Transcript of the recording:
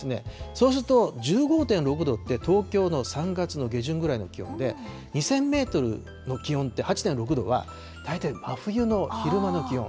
そうすると、１５．６度って、東京の３月の下旬ぐらいの気温で、２０００メートルの気温って、８．６度は大体真冬の昼間の気温。